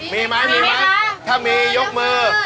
มีไหมถ้ามียกมือ